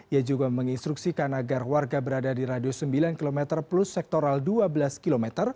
ia juga menginstruksikan agar warga berada di radius sembilan km plus sektoral dua belas km